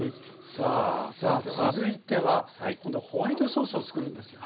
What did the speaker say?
さあ続いては今度はホワイトソースを作るんですよね。